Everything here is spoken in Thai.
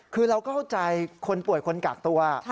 คือเราเข้าใจคนป่วยคนกากตัว